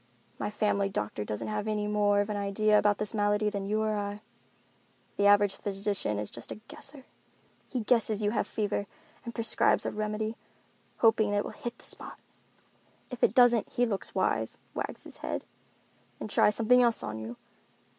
My family doctor doesn't have any more of an idea about this malady than you or I. The average physician is just a guesser. He guesses you have a fever and prescribes a remedy, hoping that it will hit the spot. If it doesn't he looks wise, wags his head—and tries something else on you.